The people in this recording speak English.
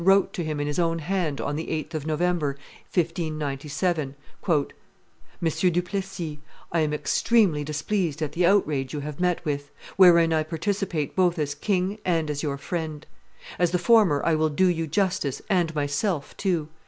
wrote to him in his own hand on the 8th of November, 1597: "M. du Plessis: I am extremely displeased at the outrage you have met with, wherein I participate both as king and as your friend. As the former I will do you justice and myself too.